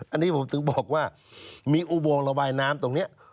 อันนี้ผมถึงบอกว่ามีอุโมงระบายน้ำตรงนี้